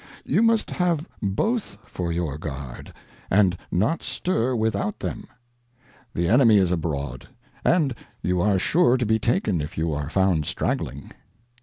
You must have both for your Guard, and not stir without them. The Enemy is abroad, and you are sure to be taken, if you are found stragling.